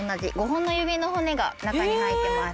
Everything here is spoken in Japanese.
５本の指の骨が中に入ってます。